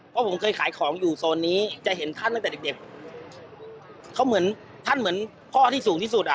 เพราะผมเคยขายของอยู่โซนนี้จะเห็นท่านตั้งแต่เด็กเด็กเขาเหมือนท่านเหมือนพ่อที่สูงที่สุดอ่ะ